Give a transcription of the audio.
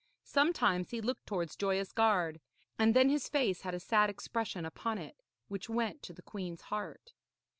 Sometimes he looked towards Joyous Gard, and then his face had a sad expression upon it which went to the queen's heart.